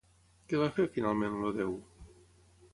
Què va fer, finalment, el déu?